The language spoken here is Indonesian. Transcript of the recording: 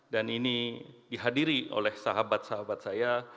ini dihadiri oleh sahabat sahabat saya